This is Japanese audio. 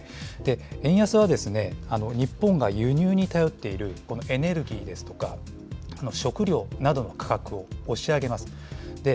円安は、日本が輸入に頼っている、このエネルギーですとか、食料などの価格を押し上げます。